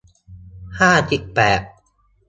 ห้าสิบแปด